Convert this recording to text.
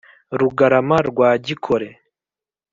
rugarama rwa gikore